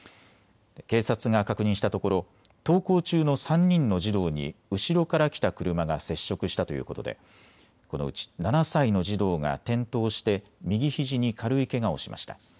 警察が確認したところ登校中の３人の児童に後ろから来た車が接触したということでこのうち７歳の児童が転倒して右ひじに軽いけがをしました。